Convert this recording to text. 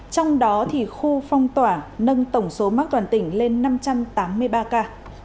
trong đó thì khu phong tỏa nâng tổng số mắc toàn tỉnh lên năm trăm tám mươi ba ca